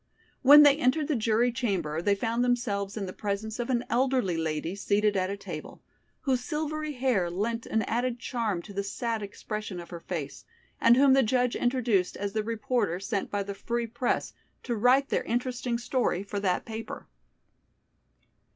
When they entered the jury chamber they found themselves in the presence of an elderly lady seated at a table, whose silvery hair lent an added charm to the sad expression of her face, and whom the judge introduced as the reporter sent by the "Free Press" to write their interesting story for that paper.